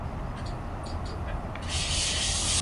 Nota: El peso varía según la configuración.